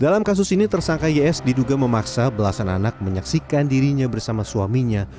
dalam kasus ini tersangka ys diduga memaksa belasan anak menyaksikan dirinya bersama suaminya